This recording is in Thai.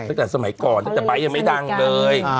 ตั้งแต่สมัยก่อนแต่บ๊ายยังไม่ดังเลย